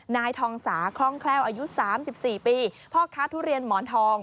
นายทองสาคล่องแคล่วอายุ๓๔ปีพ่อค้าทุเรียนหมอนทอง